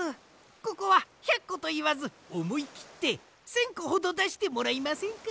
ここは１００こといわずおもいきって１，０００こほどだしてもらいませんか？